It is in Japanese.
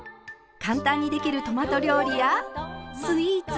簡単にできるトマト料理やスイーツ。